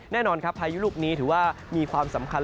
แน่นอนครับพายุลูกนี้ถือว่ามีความสำคัญ